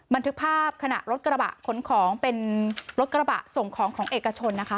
บันทึกภาพขณะรถกระบะขนของเป็นรถกระบะส่งของของเอกชนนะคะ